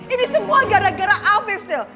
ini semua gara gara afif tuh